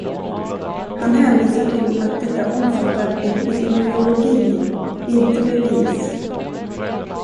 Han hänvisar till att detta omfattar "epidemiologi, inte bevis".